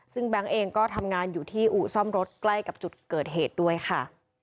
ซึ่งแบงค์เองก็ทำงานอยู่ที่อู่ซ่อมรถใกล้กับจุดเกิดเหตุด้วยค่ะ